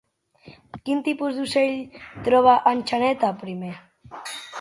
Quin tipus d'ocell troba en Xaneta primer?